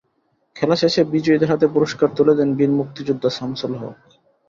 খেলা শেষে বিজয়ীদের হাতে পুরস্কার তুলে দেন বীর মুক্তিযোদ্ধা শামছুল হক।